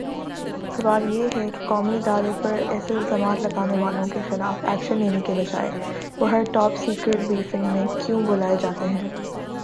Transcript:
سوال یہ ہےکہ قومی ادارے پر ایسےالزامات لگانے والوں کے خلاف ایکشن لینے کی بجائے وہ ہر ٹاپ سیکرٹ بریفنگ میں کیوں بلائےجاتے ہیں